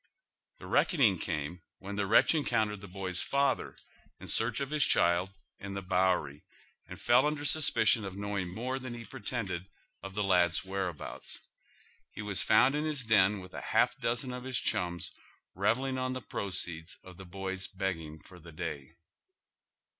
The reckoning came when the wretch encountered tlie boy's father, in search of his child, in the Bowery, and fell under suspicion of knowing more than lie pretended of the lad's whereabouts. He was found in his den with a half dozen of his ehums revelling on the proceeds of the boy's begging for the day.